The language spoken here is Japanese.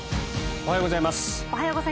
おはようございます。